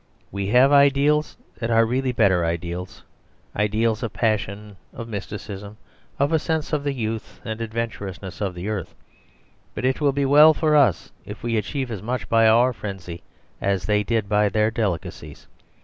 We have ideals that are really better, ideals of passion, of mysticism, of a sense of the youth and adventurousness of the earth; but it will be well for us if we achieve as much by our frenzy as they did by their delicacies.